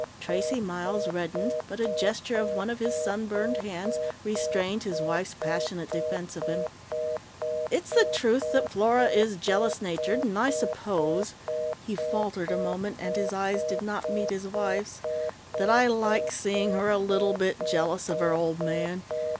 Tracey Miles reddened, but a gesture of one of his sunburned hands restrained his wife's passionate defense of him. "It's the truth that Flora is jealous natured. And I suppose " he faltered a moment, and his eyes did not meet his wife's, " that I liked seeing her a little bit jealous of her old man.